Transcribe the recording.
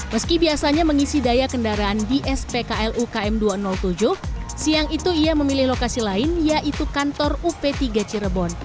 meski biasanya mengisi daya kendaraan di spklu km dua ratus tujuh siang itu ia memilih lokasi lain yaitu kantor uv tiga cirebon